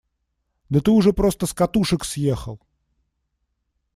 Да ты уже просто с катушек съехал!